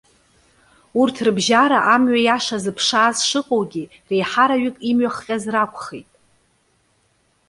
Урҭ рыбжьара амҩа иаша зыԥшааз шыҟоугьы, реиҳараҩык имҩахҟьаз ракәхеит.